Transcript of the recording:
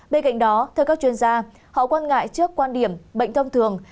bên cạnh đó theo các chuyên gia họ quan ngại trước quan điểm bệnh thông thường